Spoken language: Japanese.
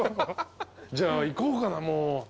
じゃあいこうかなもう。